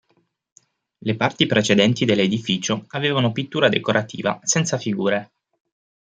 Le parti precedenti dell'edificio avevano pittura decorativa senza figure.